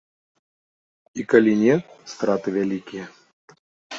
І калі не, страты вялікія.